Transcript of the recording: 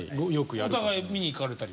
お互い見に行かれたり。